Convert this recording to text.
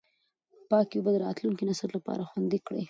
پاکې اوبه د راتلونکي نسل لپاره خوندي کړئ.